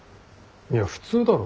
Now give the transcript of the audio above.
いや普通だろ。